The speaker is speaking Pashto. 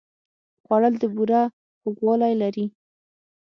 خوړل د بوره خوږوالی لري